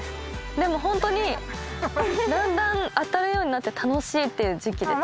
でもホントにだんだん当たるようになって楽しいっていう時期です。